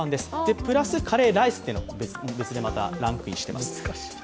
プラスカレーライスが別で、またランクインしています。